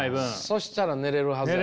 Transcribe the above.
そしたら寝れるはず。